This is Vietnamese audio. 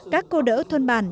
các cô đỡ thôn bản